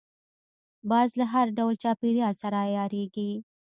باز له هر ډول چاپېریال سره عیارېږي